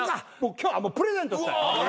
今日はもうプレゼントしたい。